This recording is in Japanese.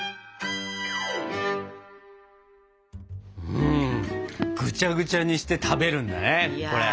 うんぐちゃぐちゃにして食べるんだねこれ。